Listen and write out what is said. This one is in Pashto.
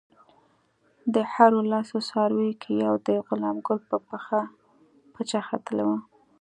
د هرو لسو څارویو کې یو د غلام ګل په پخه پچه ختلی وو.